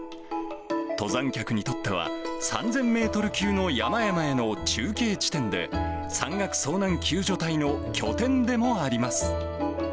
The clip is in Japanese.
登山客にとっては、３０００メートル級の山々への中継地点で、山岳遭難救助隊の拠点でもあります。